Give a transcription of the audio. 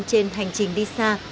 trên hành trình đi xa